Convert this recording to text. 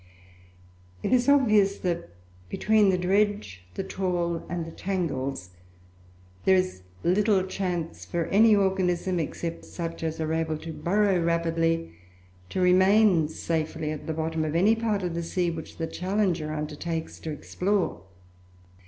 It is obvious that between the dredge, the trawl, and the tangles, there is little chance for any organism, except such as are able to burrow rapidly, to remain safely at the bottom of any part of the sea which the Challenger undertakes to explore.